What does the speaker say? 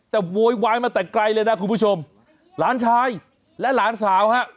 แต่โวยวายมาแต่ไกลเลยนะคุณผู้ชมหลานชายและหลานสาวฮะ